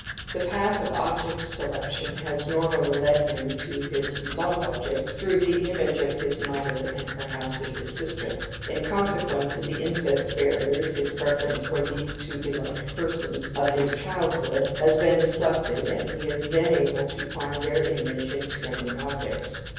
The path of object selection has normally led him to his love object through the image of his mother THE SAVAGE'S DREAD OF INCEST 27 and perhaps of his sister ; Qn consequence of the incest barriers his preference for these two v beloved persons of his childhood has been 6>^ deflected and he is then able to find their image in strange objects.